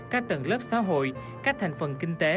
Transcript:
các tầng lớp xã hội các thành phần kinh tế